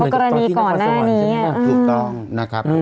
ถูกต้องนะครับ